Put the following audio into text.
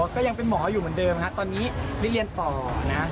ก็ยังเป็นหมออยู่เหมือนเดิมนะครับตอนนี้ฤทธิ์เรียนต่อนะครับ